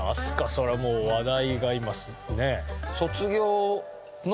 それはもう話題が今ねえ。